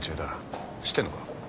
知ってるのか？